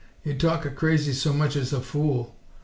You talka crazy so much as a fool!